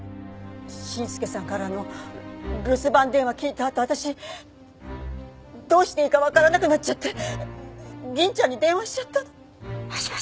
伸介さんからの留守番電話聞いたあと私どうしていいかわからなくなっちゃって銀ちゃんに電話しちゃったの。